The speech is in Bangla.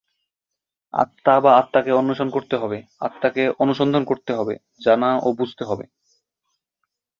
আত্মা বা আত্মাকে অন্বেষণ করতে হবে, আত্মাকে অনুসন্ধান করতে হবে, জানা ও বুঝতে হবে।